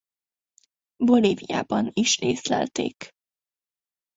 Bolíviában is észlelték.